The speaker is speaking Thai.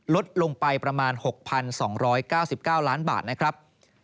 ลดลงไปประมาณ๖๒๙๙ล้านบาทนะครับ